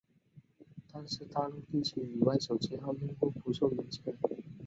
但是大陆地区以外手机号用户不受影响。